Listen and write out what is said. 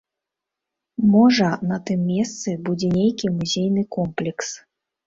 Можа, на тым месцы будзе нейкі музейны комплекс.